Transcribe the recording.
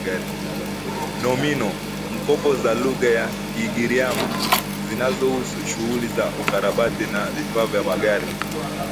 Nomino-mkopo za lugha ya Kigiryama zinazohusu shughuli za ukarabati na vifaa vya magari